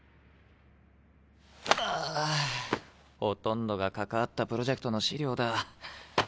あほとんどが関わったプロジェクトの資料だ。